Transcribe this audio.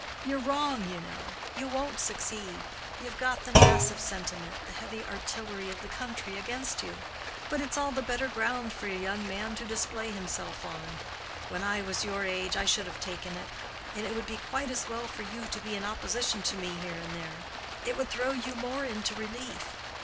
You're wrong, you know. You won't succeed. You've got the massive sentiment—the heavy artillery of the country against you. But it's all the better ground for a young man to display himself on. When I was your age, I should have taken it. And it would be quite as well for you to be in opposition to me here and there. It would throw you more into relief.